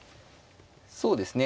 そうですね